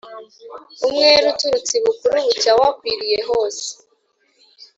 Umwera uturutse I Bukuru ,bucya wakwiriye hose